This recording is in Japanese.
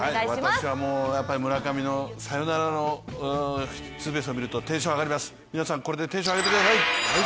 私は村上のサヨナラのツーベースを見るとテンションが上がります、皆さんこれでテンション上げてください。